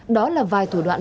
đó là vài thủ đoạn lừa đảo